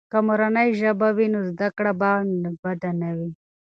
که مورنۍ ژبه وي، نو زده کړه به بده نه وي.